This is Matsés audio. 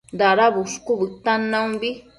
Dada bushcu bëtan naumbi